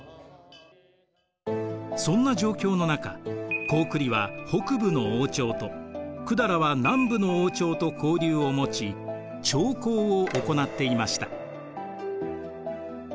そんな状況の中高句麗は北部の王朝と百済は南部の王朝と交流をもち朝貢を行っていました。